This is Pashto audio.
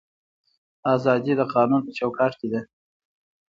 ازادي د قانون په چوکاټ کې ده